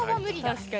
確かに。